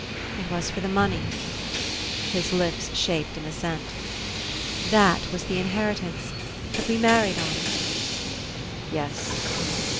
"It was for the money ?" His lips shaped an assent. "That was the inheritance that we married on?" "Yes."